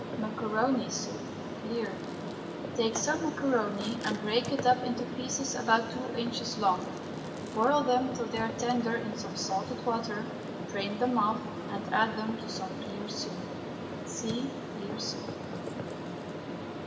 MACARONI SOUP (CLEAR). Take some macaroni and break it up into pieces about two inches long. Boil them till they are tender in some salted water, drain them off and add them to some clear soup. (See CLEAR SOUP.)